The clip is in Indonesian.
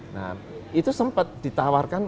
nah itu sempat ditawarkan